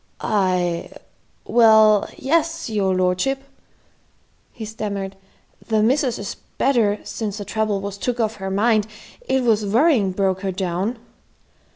"I well, yes, your lordship," he stammered, "the missus is better since the trouble was took off her mind. It was worrying broke her down."